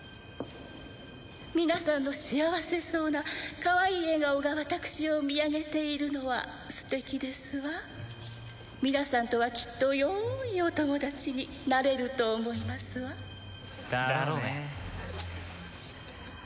皆さんの幸せそうなかわいい笑顔が私を見上げているのは素敵ですわ皆さんとはきっとよーいお友達になれると思いますわだろうね